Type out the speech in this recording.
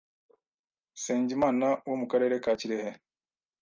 Nsengimana wo mu Karere ka Kirehe